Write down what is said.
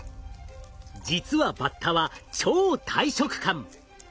実はバッタは超大食漢。